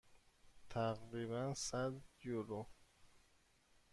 تقریبا صد یورو.